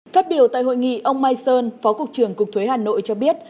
phát biểu tại hội nghị ông mai sơn phó cục trưởng cục thuế hà nội cho biết